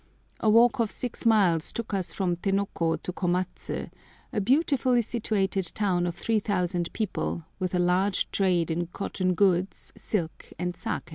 A walk of six miles took us from Tenoko to Komatsu, a beautifully situated town of 3000 people, with a large trade in cotton goods, silk, and saké.